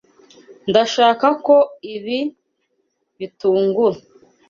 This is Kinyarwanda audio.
Ndashaka ko ibi bitungura.